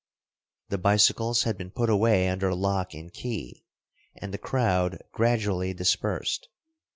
The bicycles had been put away under lock and key, and the crowd gradually dispersed.